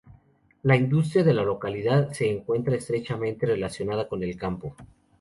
La industria de la localidad se encuentra estrechamente relacionada con el campo.